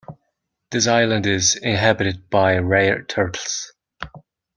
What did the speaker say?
This island is inhabited by rare turtles.